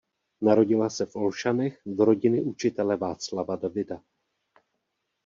Narodila se v Olšanech do rodiny učitele Václava Davida.